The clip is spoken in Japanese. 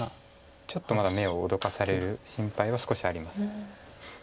ちょっとまだ眼を脅かされる心配は少しあります。